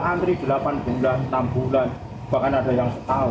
antri delapan bulan enam bulan bahkan ada yang setahun